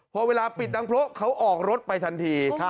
พอเวลาปิดดังเพราะเขาออกรถไปทันที